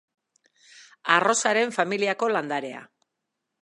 Arrosaren familiako landarea.